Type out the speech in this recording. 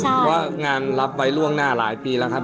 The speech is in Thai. เพราะว่างานรับไว้ล่วงหน้าหลายปีแล้วครับ